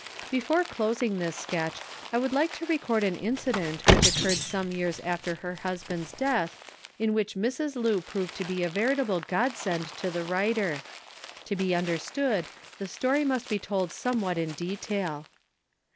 Before closing this sketch I would like to record an incident which occurred some years after her husband's death in which Mrs. Lu proved to be a veritable God send to the writer. To be understood the story must be told somewhat in detail.